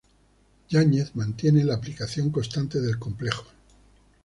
Yáñez mantiene la ampliación constante del complejo.